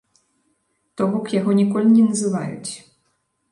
То бок, яго ніколі не называюць.